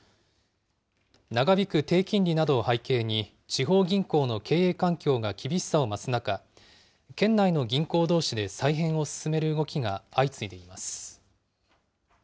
長引く低金利などを背景に地方銀行の経営環境が厳しさを増す中、県内の銀行どうしで再編を進める動きが相次いでいます。